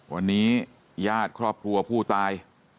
วันนี้ญาติครอบครัวผู้ตาย